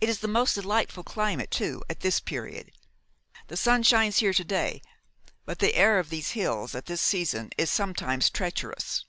It is the most delightful climate, too, at this period. The sun shines here to day, but the air of these hills at this season is sometimes treacherous.